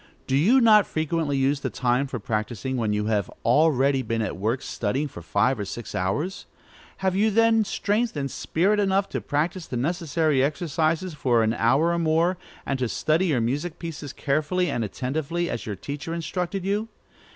Do you not frequently use the time for practising, when you have already been at work studying for five or six hours? Have you then strength and spirit enough to practise the necessary exercises for an hour or more, and to study your music pieces carefully and attentively, as your teacher instructed you?